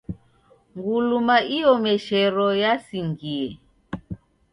Nguluma iomeshero yasingie